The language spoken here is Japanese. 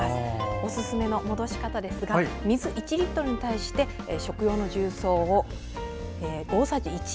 おすすめの戻し方ですが水１リットルに対して食用の重曹を大さじ１。